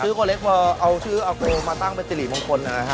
ชื่อโกเล็กพอเอาชื่อเอาโกมาตั้งเป็นจิริมงคลนะฮะ